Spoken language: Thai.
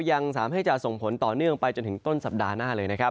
ยังสามารถให้จะส่งผลต่อเนื่องไปจนถึงต้นสัปดาห์หน้าเลยนะครับ